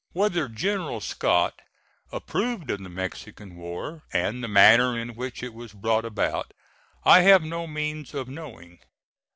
Whether General Scott approved of the Mexican war and the manner in which it was brought about, I have no means of knowing.